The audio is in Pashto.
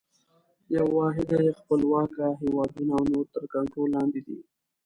یوه واحده یې خپلواکه هیوادونه او نور تر کنټرول لاندي دي.